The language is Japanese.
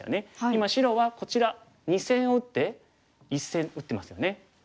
今白はこちら二線を打って一線打ってますよね。